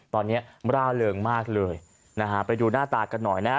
ตอนนี้ร่าเริงมากเลยนะฮะไปดูหน้าตากันหน่อยนะฮะ